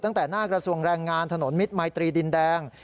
ตั้งแต่หน้ากระทรวงแรงงานถนนมิตรมายตรีดินแดง